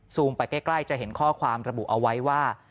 ไปใกล้จะเห็นข้อความระบุเอาไว้ว่า